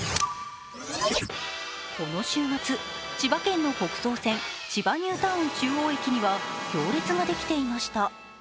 この週末、千葉県の北総線、千葉ニュータウン中央駅には行列ができていました。